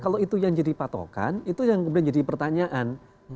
kalau itu yang jadi patokan itu yang kemudian jadi pertanyaan